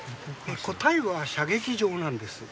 答えは射撃場なんです。